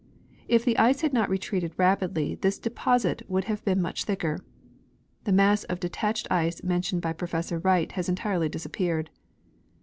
If the ice had not retreated rapidly this deposit would have been much thicker. The mass of detached ice mentioned by Professor Wright has entirely disappeared.